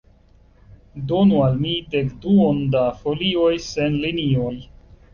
Donu al mi dekduon da folioj sen linioj.